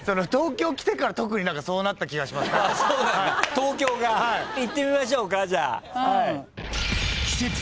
東京が？いってみましょうかじゃあ。